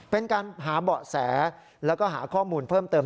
เป็นการหาเบาะแสแล้วก็หาข้อมูลเพิ่มเติม